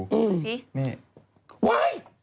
ดูสินี่ว้าย